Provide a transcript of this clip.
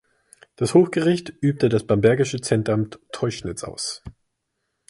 Das Hochgericht übte das bambergische Centamt Teuschnitz aus.